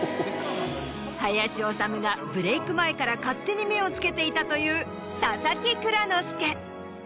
林修がブレーク前から勝手に目をつけていたという佐々木蔵之介。